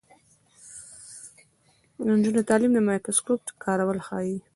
د نجونو تعلیم د مایکروسکوپ کارول ښيي.